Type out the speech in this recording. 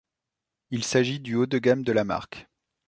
Il s'agit du haut de gamme de la marque.